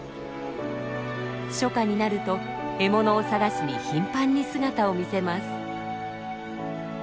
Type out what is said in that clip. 初夏になると獲物を探しに頻繁に姿を見せます。